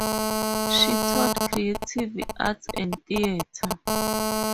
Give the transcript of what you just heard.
She taught Creative Arts and Theatre.